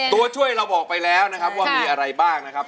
ตัวช่วยเราบอกไปแล้วนะครับว่ามีอะไรบ้างนะครับ